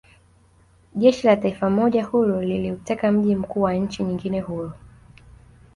Jeshi la taifa moja huru liliuteka mji mkuu wa nchi nyingine huru